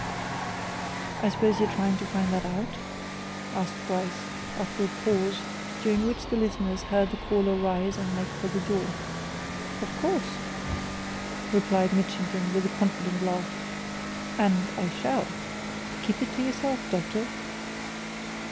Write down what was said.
"I suppose you're trying to find that out?" asked Bryce, after a pause, during which the listeners heard the caller rise and make for the door. "Of course!" replied Mitchington, with a confident laugh. "And I shall! Keep it to yourself, doctor."